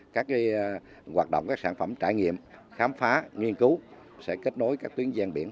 các hoạt động các sản phẩm trải nghiệm khám phá nghiên cứu sẽ kết nối các tuyến gian biển